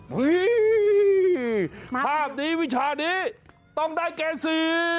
เฮ้ยภาพนี้วิชานี้ต้องได้แก่สิ